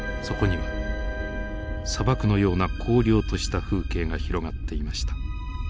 そこには砂漠のような荒涼とした風景が広がっていました。